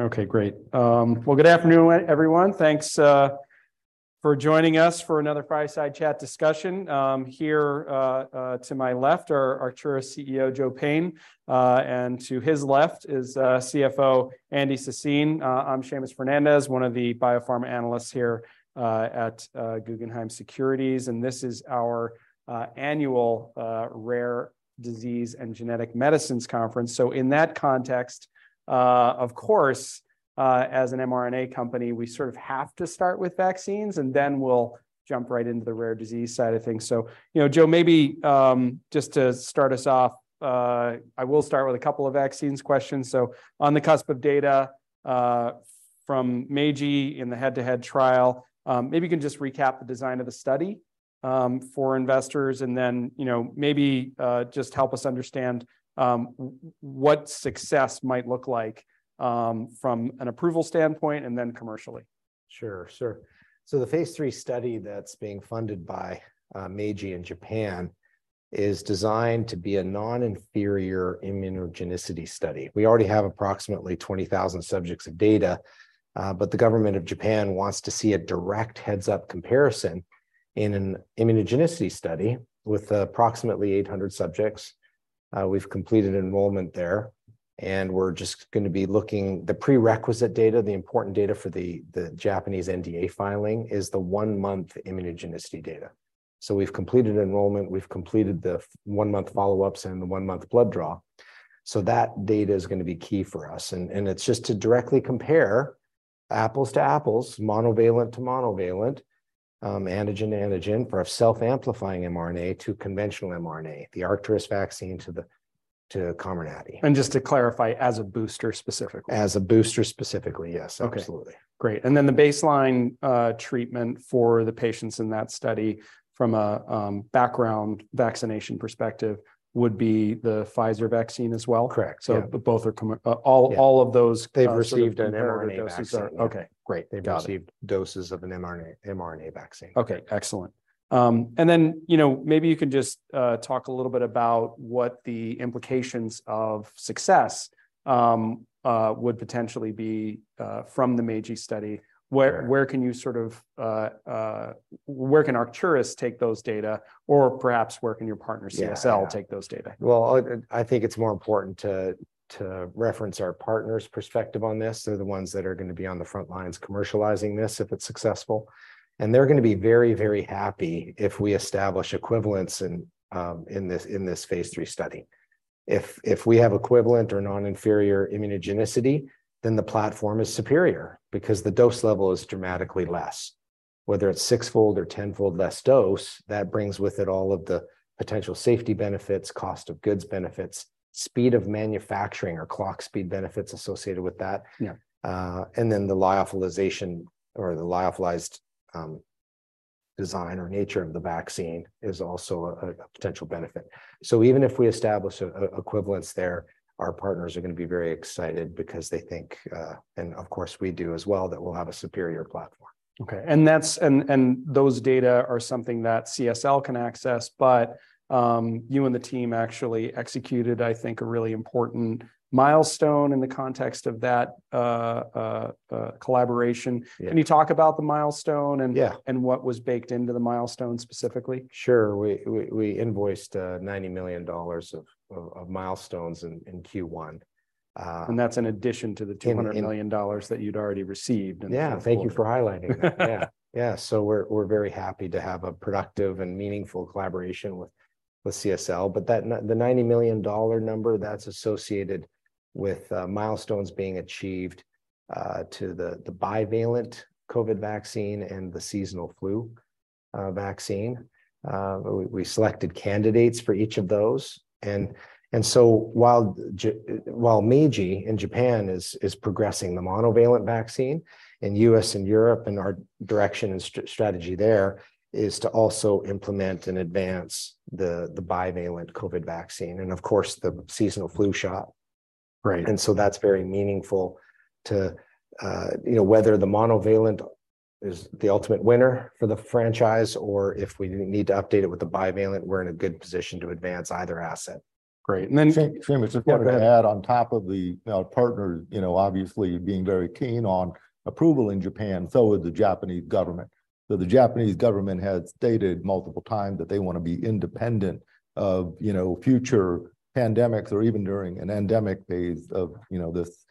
Okay, great. Well, good afternoon, everyone. Thanks for joining us for another Fireside Chat Discussion. Here to my left are Arcturus CEO Joe Payne. And to his left is CFO Andy Sassine. I'm Seamus Fernandez, one of the biopharma analysts here at Guggenheim Securities, and this is our annual Rare Disease and Genetic Medicines Conference. In that context, of course, as an mRNA company, we sort of have to start with vaccines, and then we'll jump right into the rare disease side of things. You know, Joe, maybe, just to start us off, I will start with a couple of vaccines questions. On the cusp of data, from Meiji in the head-to-head trial, maybe you can just recap the design of the study, for investors, and then, you know, maybe, just help us understand, what success might look like, from an approval standpoint, and then commercially. Sure. Sure. The phase III study that's being funded by Meiji in Japan is designed to be a non-inferior immunogenicity study. We already have approximately 20,000 subjects of data, the government of Japan wants to see a direct heads-up comparison in an immunogenicity study with approximately 800 subjects. We've completed enrollment there, and we're just gonna be looking the prerequisite data, the important data for the Japanese NDA filing is the one-month immunogenicity data. We've completed enrollment, we've completed the one-month follow-ups, and the one-month blood draw. That data is gonna be key for us. It's just to directly compare apples to apples, monovalent to monovalent, antigen to antigen for a self-amplifying mRNA to conventional mRNA, the Arcturus vaccine to Comirnaty. Just to clarify, as a booster specifically. As a booster specifically, yes. Okay. Absolutely. Great. The baseline treatment for the patients in that study from a background vaccination perspective would be the Pfizer vaccine as well? Correct. Yeah. Both are. Yeah. All of those- They've received an mRNA vaccine. Sort of compared doses are. Okay, great. Got it. They've received doses of an mRNA vaccine. Okay, excellent. You know, maybe you can just talk a little bit about what the implications of success would potentially be from the Meiji study. Sure. Where can you sort of, where can Arcturus take those data? Perhaps where can your partner CSL... Yeah. take those data? Well, I think it's more important to reference our partner's perspective on this. They're the ones that are gonna be on the front lines commercializing this if it's successful, and they're gonna be very, very happy if we establish equivalence in this phase II study. If we have equivalent or non-inferior immunogenicity, then the platform is superior because the dose level is dramatically less. Whether it's six-fold or 10-fold less dose, that brings with it all of the potential safety benefits, cost of goods benefits, speed of manufacturing or clock speed benefits associated with that. Yeah. The lyophilization or the lyophilized design or nature of the vaccine is also a potential benefit. Even if we establish equivalence there, our partners are gonna be very excited because they think, and of course we do as well, that we'll have a superior platform. Okay. Those data are something that CSL can access, but you and the team actually executed, I think, a really important milestone in the context of that collaboration. Yeah. Can you talk about the milestone? Yeah. .What was baked into the milestone specifically? Sure. We invoiced $90 million of milestones in Q1. That's in addition to $200 million that you'd already received in the fourth quarter. Thank you for highlighting that. We're very happy to have a productive and meaningful collaboration with CSL. That the $90 million number, that's associated with milestones being achieved to the bivalent COVID vaccine and the seasonal flu vaccine. We selected candidates for each of those while Meiji in Japan is progressing the monovalent vaccine. In U.S. and Europe, our direction and strategy there is to also implement and advance the bivalent COVID vaccine and of course, the seasonal flu shot. Right. That's very meaningful to, you know, whether the monovalent is the ultimate winner for the franchise, or if we need to update it with the bivalent, we're in a good position to advance either asset. Great. Seamus. Yeah, go ahead. If I could add on top of the, our partner, you know, obviously being very keen on approval in Japan, so is the Japanese government. The Japanese government has stated multiple times that they wanna be independent of, you know, future pandemics or even during an endemic phase of, you know, this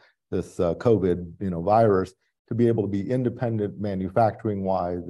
COVID, you know, virus, to be able to be independent manufacturing-wise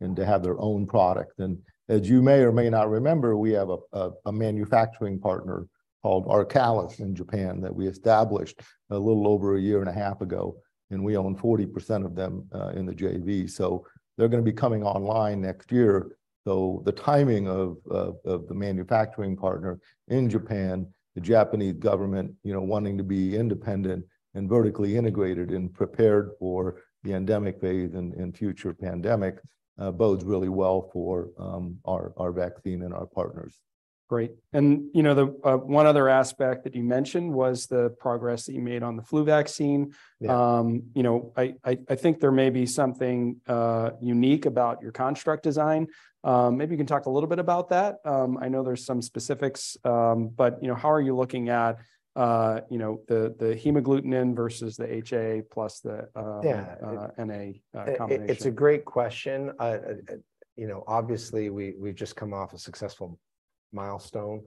and to have their own product. As you may or may not remember, we have a manufacturing partner called ARCALIS in Japan that we established a little over a year and a half ago, and we own 40% of them in the JV. They're gonna be coming online next year. The timing of the manufacturing partner in Japan, the Japanese government, you know, wanting to be independent and vertically integrated and prepared for the endemic phase and future pandemic, bodes really well for our vaccine and our partners. Great. you know, the one other aspect that you mentioned was the progress that you made on the flu vaccine. Yeah. You know, I think there may be something unique about your construct design. Maybe you can talk a little bit about that. I know there's some specifics, but, you know, how are you looking at, you know, the hemagglutinin versus the HA plus the. Yeah NA, combination? It's a great question. You know, obviously we've just come off a successful milestone,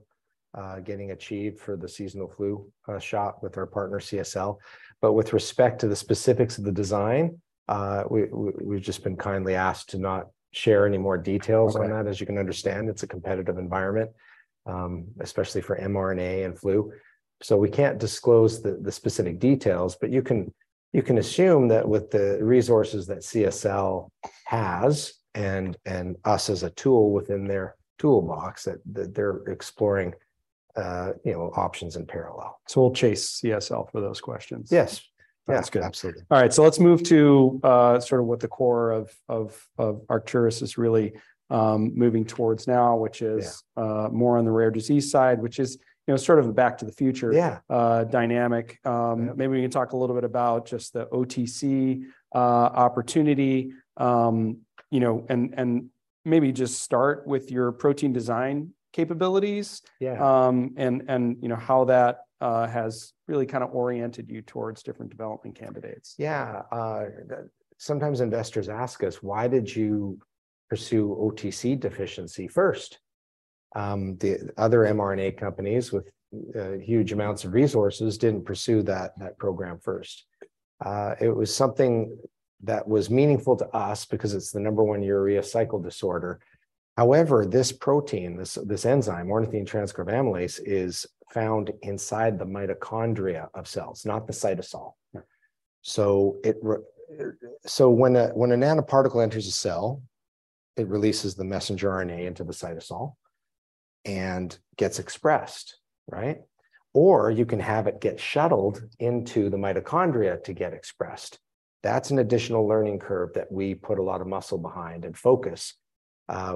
getting achieved for the seasonal flu, shot with our partner CSL. With respect to the specifics of the design, we've just been kindly asked to not share any more details... Okay. on that. As you can understand, it's a competitive environment, especially for mRNA and flu. We can't disclose the specific details, but you can assume that with the resources that CSL has, and us as a tool within their toolbox, that they're exploring, you know, options in parallel. We'll chase CSL for those questions. Yes. That's good. Yeah, absolutely. All right. let's move to, sort of what the core of Arcturus is really, moving towards now, which is... Yeah. .more on the rare disease side, which is, you know, sort of a back to the future... Yeah dynamic. Yeah. Maybe we can talk a little bit about just the OTC opportunity, you know, and maybe just start with your protein design capabilities. Yeah. You know, how that, has really kind of oriented you towards different development candidates. Yeah. Sometimes investors ask us, "Why did you pursue OTC deficiency first?" The other mRNA companies with huge amounts of resources didn't pursue that program first. It was something that was meaningful to us because it's the number one urea cycle disorder. However, this protein, this enzyme, ornithine transcarbamylase, is found inside the mitochondria of cells, not the cytosol. Yeah. When a nanoparticle enters a cell, it releases the messenger RNA into the cytosol and gets expressed, right? You can have it get shuttled into the mitochondria to get expressed. That's an additional learning curve that we put a lot of muscle behind and focus.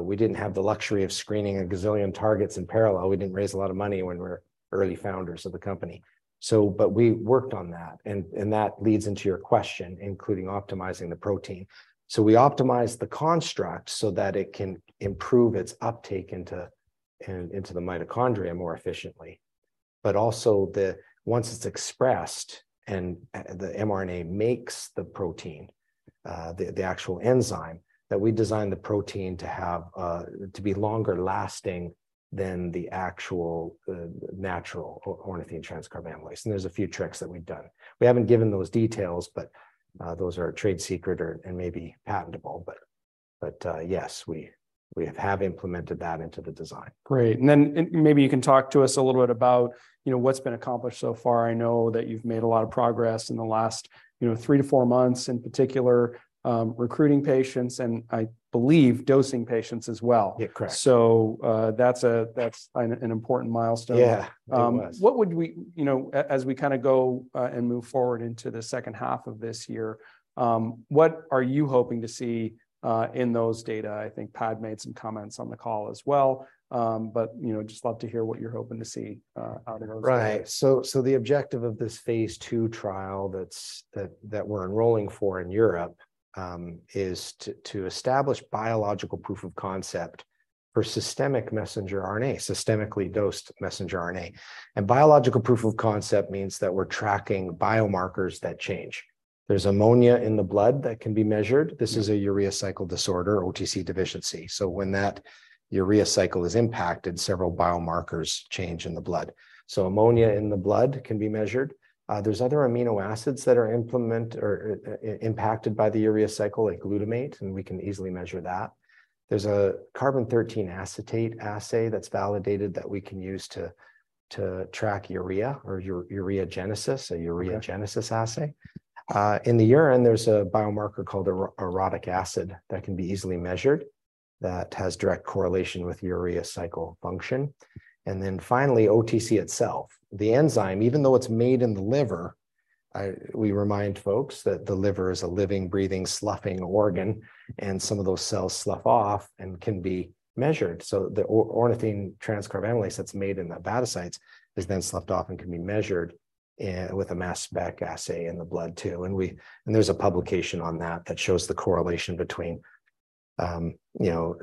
We didn't have the luxury of screening a gazillion targets in parallel. We didn't raise a lot of money when we were early founders of the company. We worked on that, and that leads into your question, including optimizing the protein. We optimized the construct so that it can improve its uptake into the mitochondria more efficiently. Also the... once it's expressed and, the mRNA makes the protein, the actual enzyme, that we design the protein to have, to be longer-lasting than the actual, natural ornithine transcarbamylase, and there's a few tricks that we've done. We haven't given those details, but, those are a trade secret or, and maybe patentable, but, yes, we have implemented that into the design. Great. Then, maybe you can talk to us a little bit about, you know, what's been accomplished so far. I know that you've made a lot of progress in the last, you know, three to four months, in particular, recruiting patients and, I believe, dosing patients as well. Yeah, correct. That's an important milestone. Yeah, it was. What would we, you know, as we kind of go and move forward into the second half of this year, what are you hoping to see in those data? I think Pad made some comments on the call as well, you know, just love to hear what you're hoping to see out of those data. Right. The objective of this Phase II trial that we're enrolling for in Europe, is to establish biological proof of concept for systemic messenger RNA, systemically dosed messenger RNA. Biological proof of concept means that we're tracking biomarkers that change. There's ammonia in the blood that can be measured. Yeah. This is a urea cycle disorder, OTC deficiency. When that urea cycle is impacted, several biomarkers change in the blood. Ammonia in the blood can be measured. There's other amino acids that are impacted by the urea cycle, like glutamine, and we can easily measure that. There's a carbon-13 acetate assay that's validated that we can use to track urea or ureagenesis. Okay assay. In the urine, there's a biomarker called orotic acid that can be easily measured that has direct correlation with urea cycle function. Finally, OTC itself. The enzyme, even though it's made in the liver, we remind folks that the liver is a living, breathing, sloughing organ, and some of those cells slough off and can be measured. The ornithine transcarbamylase that's made in the hepatocytes is then sloughed off and can be measured with a mass spec assay in the blood too. There's a publication on that that shows the correlation between, you know,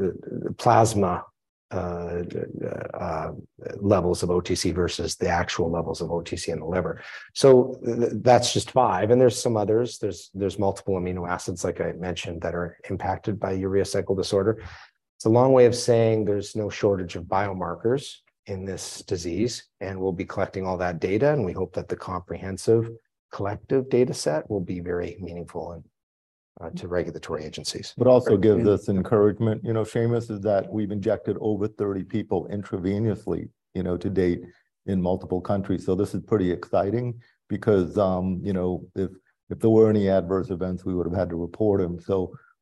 plasma levels of OTC versus the actual levels of OTC in the liver. That's just five, and there's some others. There's multiple amino acids, like I mentioned, that are impacted by urea cycle disorder. It's a long way of saying there's no shortage of biomarkers in this disease, and we'll be collecting all that data, and we hope that the comprehensive collective data set will be very meaningful and to regulatory agencies. Great. Also gives us encouragement, you know, Seamus, is that we've injected over 30 people intravenously, you know, to date in multiple countries. This is pretty exciting because, you know, if there were any adverse events, we would have had to report them.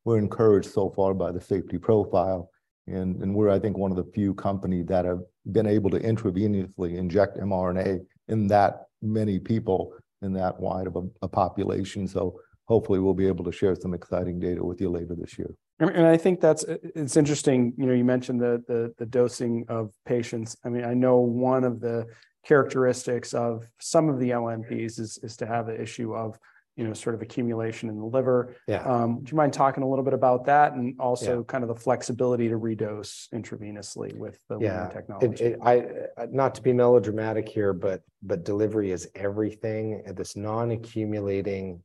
We're encouraged so far by the safety profile and we're, I think, one of the few company that have been able to intravenously inject mRNA in that many people in that wide of a population. Hopefully we'll be able to share some exciting data with you later this year. I think that's, it's interesting, you know, you mentioned the dosing of patients. I mean, I know one of the characteristics of some of the LNPs is to have the issue of, you know, sort of accumulation in the liver. Yeah. Do you mind talking a little bit about that.... Yeah. kind of the flexibility to redose intravenously... Yeah LNP technology? I'm not to be melodramatic here, but delivery is everything. This non-accumulating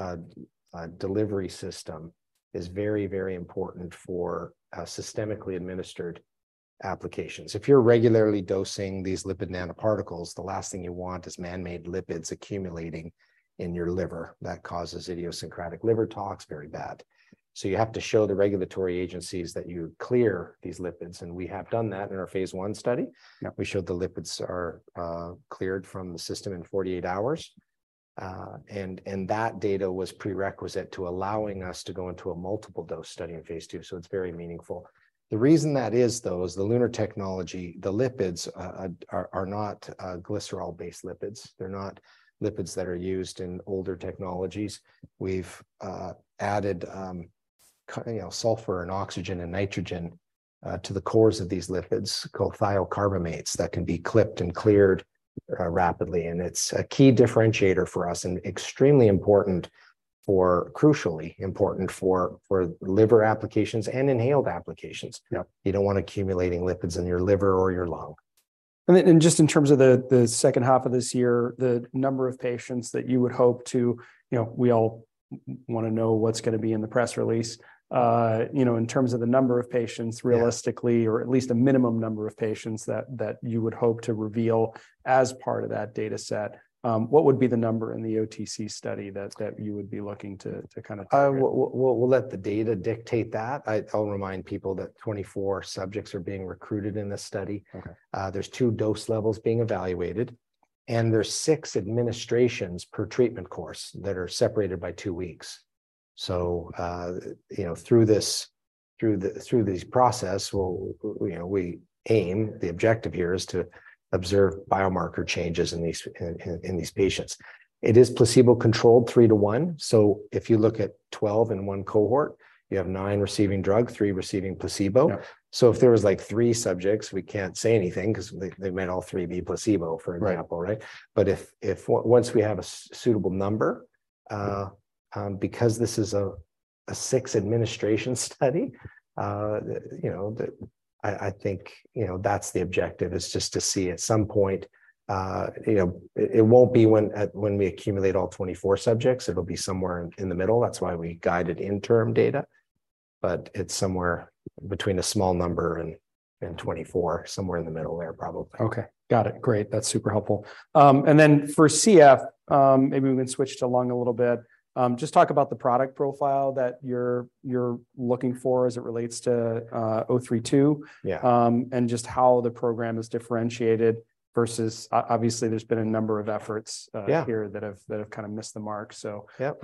a delivery system is very important for systemically administered applications. If you're regularly dosing these lipid nanoparticles, the last thing you want is man-made lipids accumulating in your liver. That causes idiosyncratic liver tox, very bad. You have to show the regulatory agencies that you clear these lipids, and we have done that in our Phase I study. Yeah. We showed the lipids are cleared from the system in 48 hours. That data was prerequisite to allowing us to go into a multiple dose study in Phase II, so it's very meaningful. The reason that is, though, is the LUNAR technology, the lipids are not glycerol-based lipids. They're not lipids that are used in older technologies. We've added, you know, sulfur and oxygen and nitrogen to the cores of these lipids called thiocarbamates that can be clipped and cleared rapidly. It's a key differentiator for us and extremely important for crucially important for liver applications and inhaled applications. Yep. You don't want accumulating lipids in your liver or your lung. Just in terms of the second half of this year, the number of patients that you would hope to? You know, we all want to know what's going to be in the press release, you know, in terms of the number of patients... Yeah. realistically, or at least a minimum number of patients that you would hope to reveal as part of that data set, what would be the number in the OTC study that you would be looking to kind of target? We'll let the data dictate that. I'll remind people that 24 subjects are being recruited in this study. Okay. There's two dose levels being evaluated, and there's six administrations per treatment course that are separated by two weeks. You know, through this process, we'll, you know, we aim, the objective here is to observe biomarker changes in these patients. It is placebo controlled three to one, so if you look at 12 in one cohort, you have nine receiving drug, three. receiving placebo. Yeah. If there was, like, three subjects, we can't say anything because they might all three be placebo, for example. Right If once we have a suitable number, because this is a six-administration study, you know, I think, you know, that's the objective, is just to see at some point, you know. It won't be when we accumulate all 24 subjects. It'll be somewhere in the middle. That's why we guided interim data. It's somewhere between a small number and 24. Somewhere in the middle there probably. Okay. Got it. Great. That's super helpful. For CF, maybe we can switch along a little bit. Just talk about the product profile that you're looking for as it relates to ARCT-032. Yeah. Just how the program is differentiated versus obviously there's been a number of efforts... Yeah. here that have kind of missed the mark. Yep.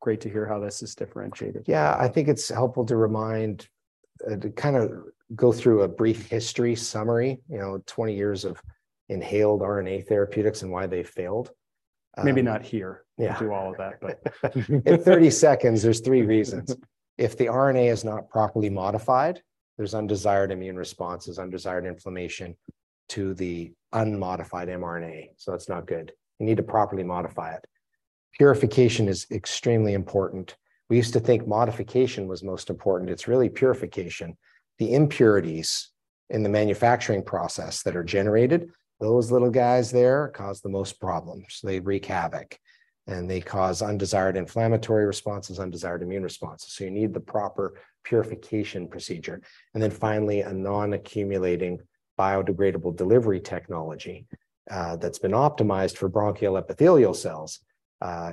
Great to hear how this is differentiated. I think it's helpful to remind, to kind of go through a brief history summary, you know, 20 years of inhaled RNA therapeutics and why they failed. Maybe not here. Yeah. To do all of that, but... In 30 seconds, there's three reasons. If the RNA is not properly modified, there's undesired immune responses, undesired inflammation to the unmodified mRNA, so that's not good. You need to properly modify it. Purification is extremely important. We used to think modification was most important. It's really purification. The impurities in the manufacturing process that are generated, those little guys there cause the most problems. They wreak havoc, and they cause undesired inflammatory responses, undesired immune responses. You need the proper purification procedure. Finally, a non-accumulating biodegradable delivery technology that's been optimized for bronchial epithelial cells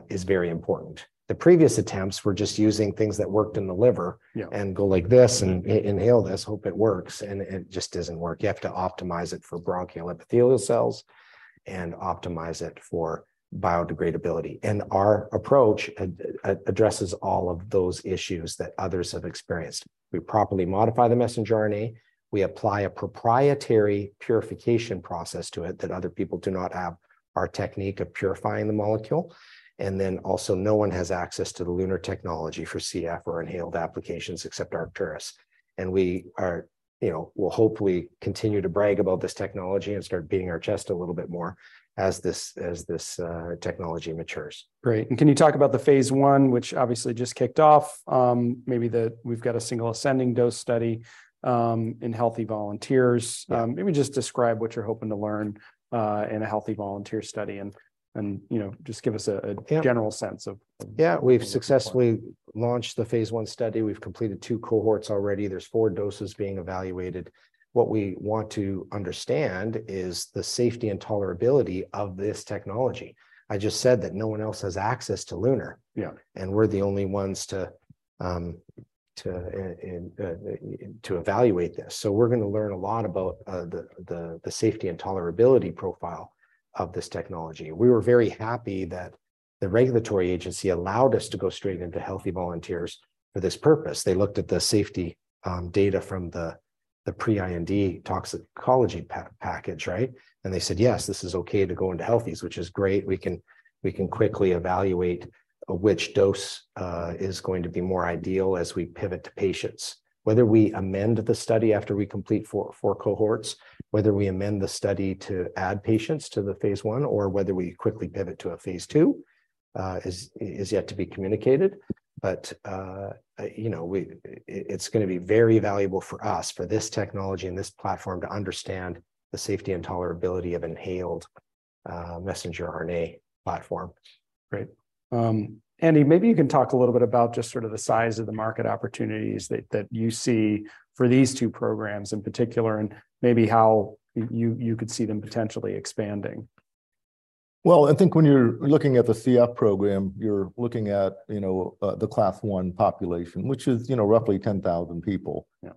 is very important. The previous attempts were just using things that worked in the liver... Yeah. and go like this and inhale this, hope it works, and it just doesn't work. You have to optimize it for bronchial epithelial cells and optimize it for biodegradability. Our approach addresses all of those issues that others have experienced. We properly modify the messenger RNA. We apply a proprietary purification process to it that other people do not have, our technique of purifying the molecule. Then also, no one has access to the LUNAR technology for CF or inhaled applications except Arcturus. We are, you know, will hopefully continue to brag about this technology and start beating our chest a little bit more as this technology matures. Great. Can you talk about the phase I, which obviously just kicked off? We've got a single ascending dose study in healthy volunteers. Yeah. Maybe just describe what you're hoping to learn, in a healthy volunteer study and, you know, just give us a... Yeah. general sense of... Yeah. where you're going with that. We've successfully launched the Phase I study. We've completed two cohorts already. There's four doses being evaluated. What we want to understand is the safety and tolerability of this technology. I just said that no one else has access to LUNAR. Yeah. We're the only ones to evaluate this. We're gonna learn a lot about the safety and tolerability profile of this technology. We were very happy that the regulatory agency allowed us to go straight into healthy volunteers for this purpose. They looked at the safety data from the pre-IND toxicology package, right? They said, "Yes, this is okay to go into healthies," which is great. We can quickly evaluate which dose is going to be more ideal as we pivot to patients. Whether we amend the study after we complete 4 cohorts, whether we amend the study to add patients to the Phase I, or whether we quickly pivot to a Phase II, is yet to be communicated. You know, we, it's gonna be very valuable for us, for this technology and this platform to understand the safety and tolerability of inhaled, messenger RNA platform. Great. Andy, maybe you can talk a little bit about just sort of the size of the market opportunities that you see for these two programs in particular, and maybe how you could see them potentially expanding. Well, I think when you're looking at the CF program, you're looking at, you know, the Class 1 population, which is, you know, roughly 10,000 people. Yeah.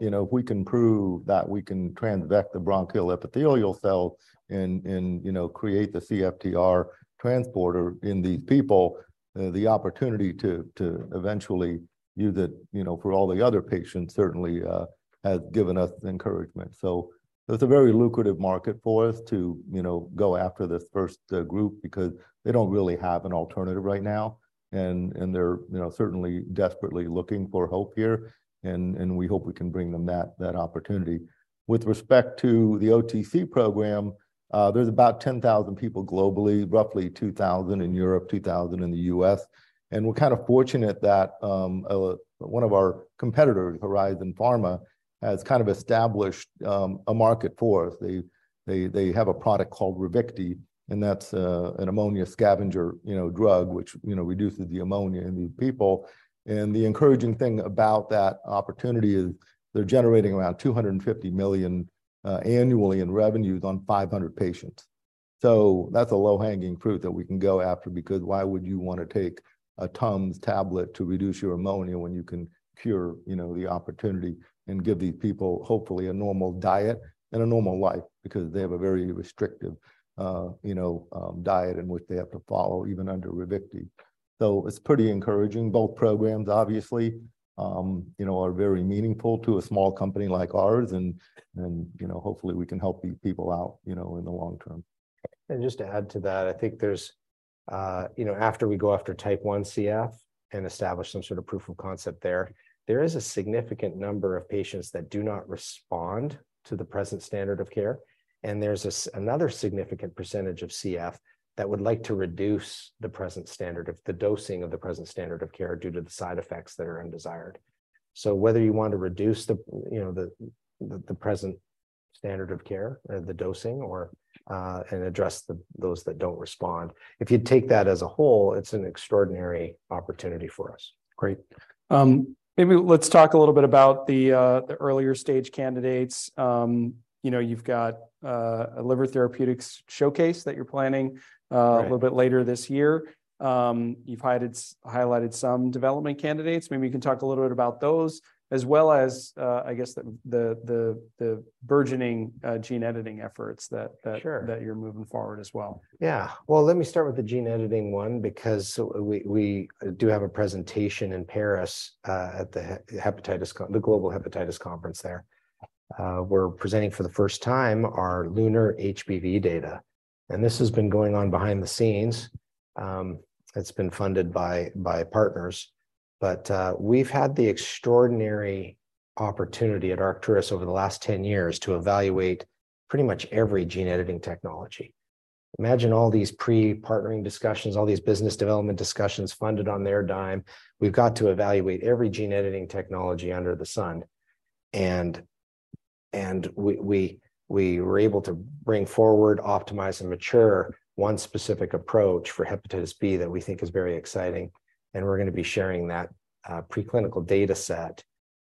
You know, if we can prove that we can transvect the bronchial epithelial cells and, you know, create the CFTR transporter in these people, the opportunity to eventually use it, you know, for all the other patients certainly has given us encouragement. It's a very lucrative market for us to, you know, go after this first group because they don't really have an alternative right now, and they're, you know, certainly desperately looking for hope here, and we hope we can bring them that opportunity. With respect to the OTC program, there's about 10,000 people globally, roughly 2,000 in Europe, 2,000 in the U.S. We're kind of fortunate that one of our competitors, Horizon Pharma, has kind of established a market for us. They have a product called RAVICTI, that's an ammonia scavenger, you know, drug, which, you know, reduces the ammonia in these people. The encouraging thing about that opportunity is they're generating around $250 million annually in revenues on 500 patients. That's a low-hanging fruit that we can go after because why would you want to take a Tums tablet to reduce your ammonia when you can cure, you know, the opportunity and give these people hopefully a normal diet and a normal life because they have a very restrictive, you know, diet in which they have to follow even under RAVICTI. It's pretty encouraging. Both programs obviously, you know, are very meaningful to a small company like ours and, you know, hopefully we can help these people out, you know, in the long term. Just to add to that, I think there's, you know, after we go after type one CF and establish some sort of proof of concept there is a significant number of patients that do not respond to the present standard of care, and there's another significant percentage of CF that would like to reduce the dosing of the present standard of care due to the side effects that are undesired. Whether you want to reduce, you know, the dosing of the present standard of care or address those that don't respond, if you take that as a whole, it's an extraordinary opportunity for us. Great. Maybe let's talk a little bit about the earlier stage candidates. You know, you've got a liver therapeutics showcase that you're planning... Right. a little bit later this year. You've highlighted some development candidates. Maybe you can talk a little bit about those as well as, I guess the burgeoning gene editing efforts that... Sure. that you're moving forward as well. Yeah. Well, let me start with the gene editing one because we do have a presentation in Paris, at the global hepatitis conference there. We're presenting for the first time our LUNAR-HBV data, and this has been going on behind the scenes. It's been funded by partners, we've had the extraordinary opportunity at Arcturus over the last 10 years to evaluate pretty much every gene editing technology. Imagine all these pre-partnering discussions, all these business development discussions funded on their dime. We've got to evaluate every gene editing technology under the sun, and we were able to bring forward, optimize, and mature one specific approach for hepatitis B that we think is very exciting, and we're going to be sharing that preclinical data set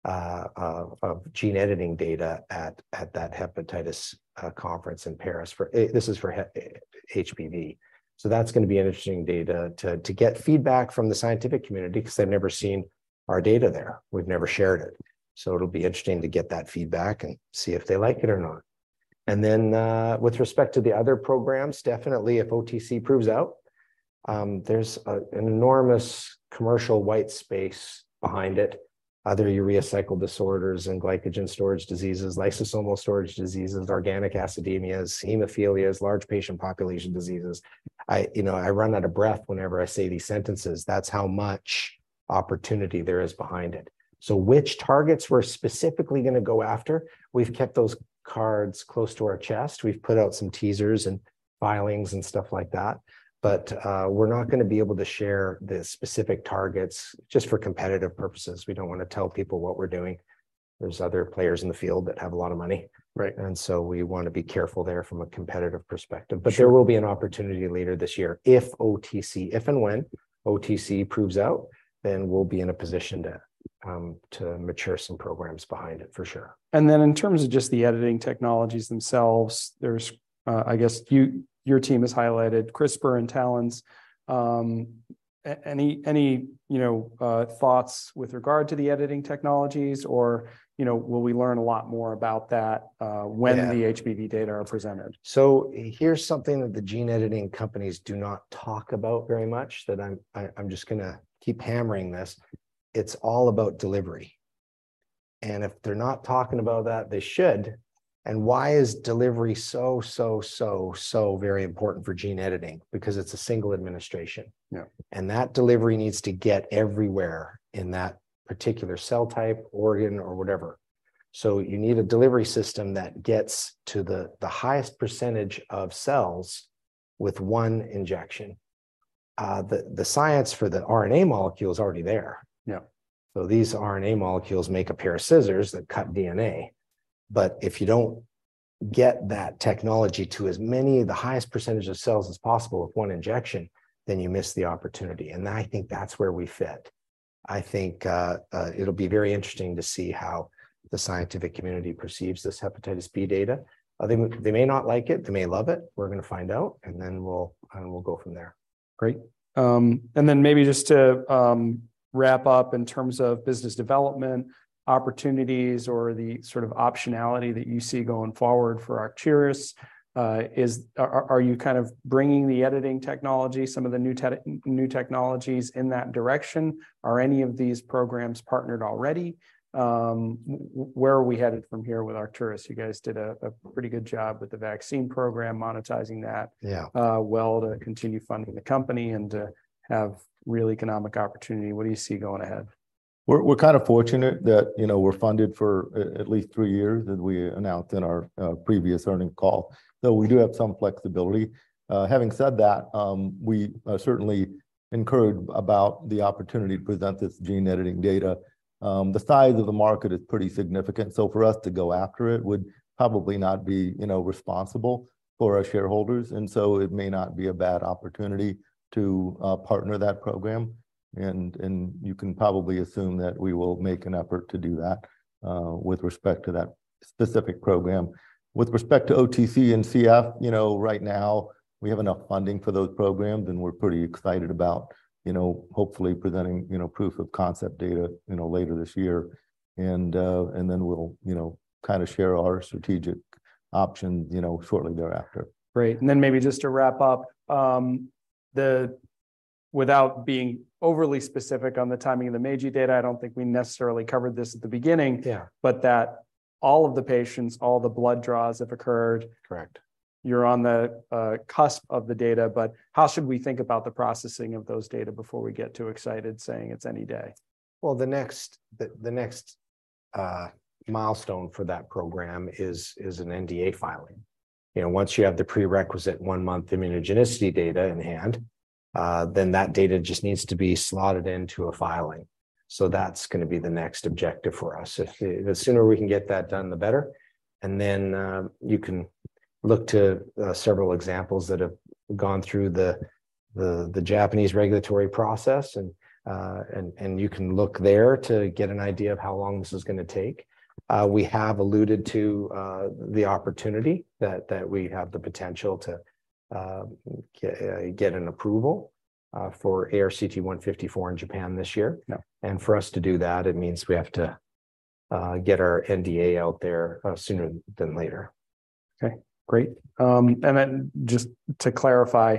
of gene editing data at that hepatitis conference in Paris. This is for HBV. That's going to be interesting data to get feedback from the scientific community because they've never seen our data there. We've never shared it. It'll be interesting to get that feedback and see if they like it or not. With respect to the other programs, definitely if OTC proves out, there's an enormous commercial white space behind it, other urea cycle disorders and glycogen storage diseases, lysosomal storage diseases, organic acidemias, hemophilias, large patient population diseases. I, you know, I run out of breath whenever I say these sentences. That's how much opportunity there is behind it. Which targets we're specifically going to go after, we've kept those cards close to our chest. We've put out some teasers and filings and stuff like that, we're not going to be able to share the specific targets just for competitive purposes. We don't want to tell people what we're doing. There's other players in the field that have a lot of money. Right. We want to be careful there from a competitive perspective. Sure. There will be an opportunity later this year if OTC, if and when OTC proves out, then we'll be in a position to to mature some programs behind it for sure. In terms of just the editing technologies themselves, there's, I guess your team has highlighted CRISPR and TALENs. Any, you know, thoughts with regard to the editing technologies or, you know, will we learn a lot more about that... Yeah. when the HBV data are presented? Here's something that the gene editing companies do not talk about very much, that I'm just going to keep hammering this. It's all about delivery. If they're not talking about that, they should. Why is delivery so very important for gene editing? Because it's a single administration. Yeah. That delivery needs to get everywhere in that particular cell type, organ or whatever. You need a delivery system that gets to the highest percentage of cells with one injection. The science for the RNA molecule is already there. Yeah. These RNA molecules make a pair of scissors that cut DNA, but if you don't get that technology to as many, the highest percentage of cells as possible with one injection, then you miss the opportunity, and I think that's where we fit. I think it'll be very interesting to see how the scientific community perceives this hepatitis B data. They, they may not like it, they may love it, we're going to find out, and then we'll go from there. Great. Maybe just to wrap up in terms of business development, opportunities or the sort of optionality that you see going forward for Arcturus? Are you kind of bringing the editing technology, some of the new technologies in that direction? Are any of these programs partnered already? Where are we headed from here with Arcturus? You guys did a pretty good job with the vaccine program, monetizing that... Yeah. well to continue funding the company and have real economic opportunity. What do you see going ahead? We're kind of fortunate that, you know, we're funded for at least three years, as we announced in our previous earnings call, though we do have some flexibility. Having said that, we certainly incurred about the opportunity to present this gene-editing data. The size of the market is pretty significant, for us to go after it would probably not be, you know, responsible for our shareholders. It may not be a bad opportunity to partner that program. You can probably assume that we will make an effort to do that with respect to that specific program. With respect to OTC and CF, you know, right now, we have enough funding for those programs, and we're pretty excited about, you know, hopefully presenting, you know, proof of concept data, you know, later this year. Then we'll, you know, kind of share our strategic options, you know, shortly thereafter. Great, maybe just to wrap up, Without being overly specific on the timing of the Meiji data, I don't think we necessarily covered this at the beginning... Yeah. that all of the patients, all the blood draws have occurred. Correct. You're on the cusp of the data. How should we think about the processing of those data before we get too excited saying it's any day? Well, the next milestone for that program is an NDA filing. You know, once you have the prerequisite one-month immunogenicity data in hand, then that data just needs to be slotted into a filing. That's going to be the next objective for us. The sooner we can get that done, the better. You can look to several examples that have gone through the Japanese regulatory process and you can look there to get an idea of how long this is going to take. We have alluded to the opportunity that we have the potential to get an approval for ARCT-154 in Japan this year. Yeah. For us to do that, it means we have to get our NDA out there sooner than later. Okay. Great. Just to clarify,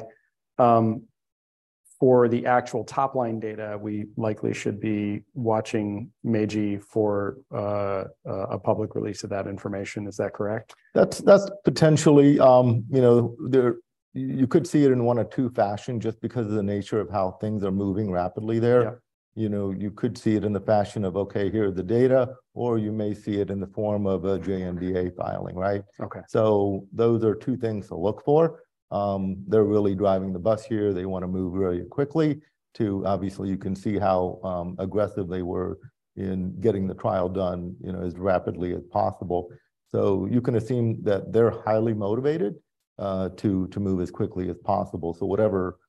for the actual top-line data, we likely should be watching Meiji for a public release of that information. Is that correct? That's potentially, you know, you could see it in one of two fashion just because of the nature of how things are moving rapidly there. Yeah. You know, you could see it in the fashion of, "Okay, here are the data," or you may see it in the form of a JMDA filing, right? Okay. Those are two things to look for. They're really driving the bus here. They want to move really quickly to... Obviously, you can see how aggressive they were in getting the trial done, you know, as rapidly as possible. You can assume that they're highly motivated to move as quickly as possible. Whatever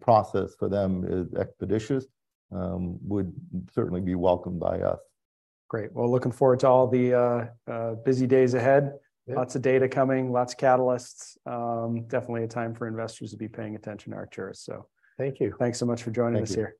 process for them is expeditious, would certainly be welcomed by us. Great. Well, looking forward to all the busy days ahead. Yeah. Lots of data coming. Lots of catalysts. Definitely a time for investors to be paying attention to Arcturus. Thank you. Thanks so much for joining us here.